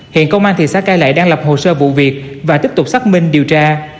hiện công an thị xã cai lệ đang lập hồ sơ vụ việc và tiếp tục xác minh điều tra